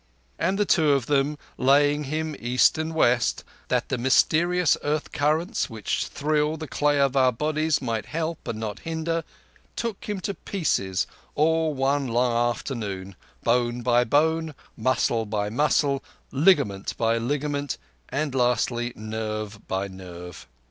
And the two of them, laying him east and west, that the mysterious earth currents which thrill the clay of our bodies might help and not hinder, took him to pieces all one long afternoon—bone by bone, muscle by muscle, ligament by ligament, and lastly, nerve by nerve.